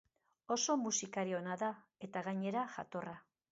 Oso musikari ona da eta, gainera, jatorra.